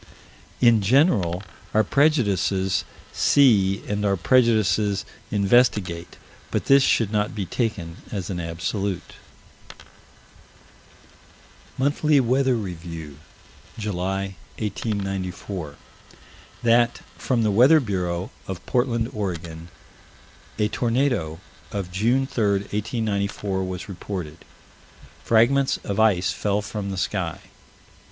In general, our prejudices see and our prejudices investigate, but this should not be taken as an absolute. Monthly Weather Review, July, 1894: That, from the Weather Bureau, of Portland, Oregon, a tornado, of June 3, 1894, was reported. Fragments of ice fell from the sky.